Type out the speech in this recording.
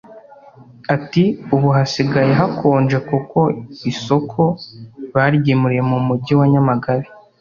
Ati Ubu hasigaye hakonje kuko isoko baryimuriye mu Mujyi wa Nyamagabe,